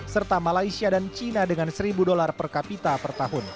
serta malaysia dan china dengan seribu dolar per kapita per tahun